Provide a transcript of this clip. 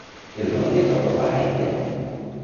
El noi es va apropar a ella?